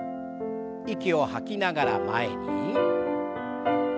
息を吐きながら前に。